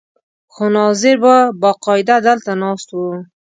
خو ناظر به باقاعده دلته ناست و.